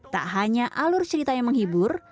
tak hanya alur cerita yang menghibur